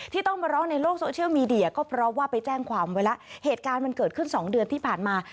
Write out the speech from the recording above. ที่ต้องมาร้องในโลกโซเชียลมีเดียก็เพราะว่าไปแจ้งความไว้แล้วเหตุการณ์มันเกิดขึ้นสองเดือนที่ผ่านมา